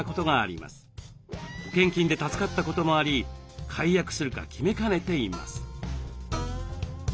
保険金で助かったこともあり解約するか決めかねています。